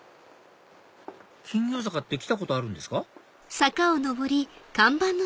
金魚坂って来たことあるんですか？